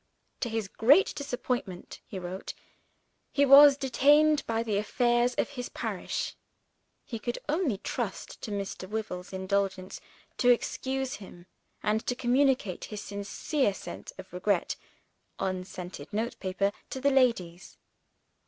To his great disappointment (he wrote) he was detained by the affairs of his parish. He could only trust to Mr. Wyvil's indulgence to excuse him, and to communicate his sincere sense of regret (on scented note paper) to the ladies.